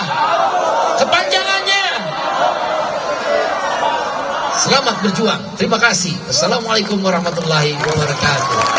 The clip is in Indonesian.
hai kepanjangannya selamat berjuang terima kasih assalamualaikum warahmatullahi wabarakatuh